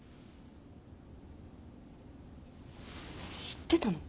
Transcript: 知ってたの？